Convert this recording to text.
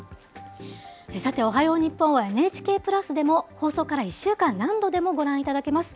さて、おはよう日本はＮＨＫプラスでも放送から１週間、何度でもご覧いただけます。